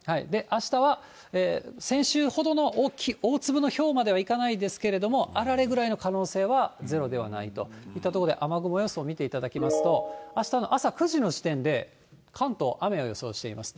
あしたは、先週ほどの大粒のひょうまではいかないですけれども、あられぐらいの可能性はゼロではないといったところで、雨雲予想を見ていただきますと、あしたの朝９時の時点で、関東、雨を予想しています。